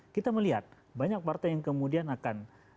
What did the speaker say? kita melihat banyak partai yang kemudian akan